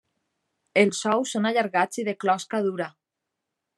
Els ous són allargats i de closca dura.